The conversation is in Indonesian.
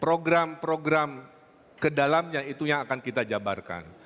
program program ke dalamnya itu yang akan kita jabarkan